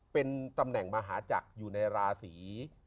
เป็นตำแหน่งมหาจักรอยู่ในราศี